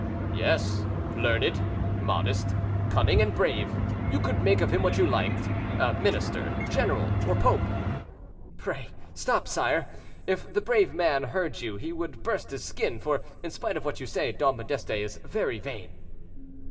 "Yes; learned, modest, cunning, and brave, you could make of him what you liked—minister, general, or pope." "Pray stop, sire. If the brave man heard you he would burst his skin, for, in spite of what you say, Dom Modeste is very vain."